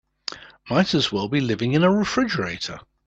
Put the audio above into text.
Might as well be living in a refrigerator.